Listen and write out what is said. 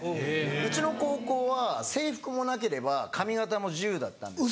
うちの高校は制服もなければ髪形も自由だったんですよ。